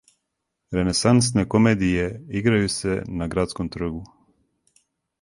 Ренесансне комедије играју се на градском тргу.